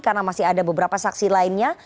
karena masih ada beberapa saksi lainnya